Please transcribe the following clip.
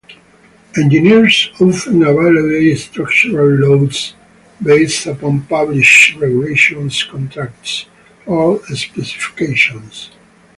Engineers often evaluate structural loads based upon published regulations, contracts, or specifications.